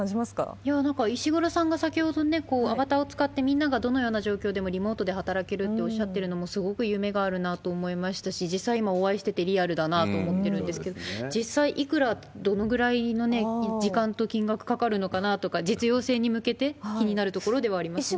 いや、なんか石黒さんが先ほどアバターを使ってみんながどのような状況でもリモートで働けるとおっしゃるのもすごく夢があるなと思いましたし、実際今お会いして、リアルだなと思ってるんですけれども、実際いくら、どのぐらいの時間と金額かかるのかなとか、実用性に向けて、気になるところではありますね。